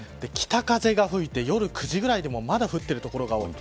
北風が吹いて、夜９時ぐらいでもまだ降っている所が多い。